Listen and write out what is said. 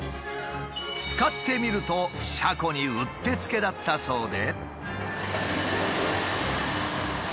使ってみると車庫にうってつけだったそうで。